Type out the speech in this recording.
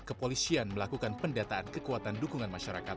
kepolisian melakukan pendataan kekuatan dukungan masyarakat